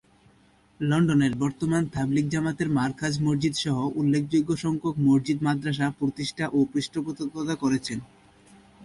লন্ডনের বর্তমান তাবলিগ জামাতের মারকাজ মসজিদ সহ উল্লেখযোগ্য সংখ্যক মসজিদ-মাদ্রাসা প্রতিষ্ঠা ও পৃষ্ঠপোষকতা করেছেন।